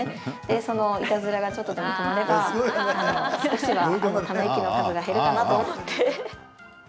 そのいたずらがちょっとでも止まれば、少しはため息の数が減るかなと思って。